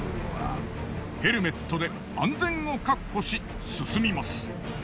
ヘルメットで安全を確保し進みます。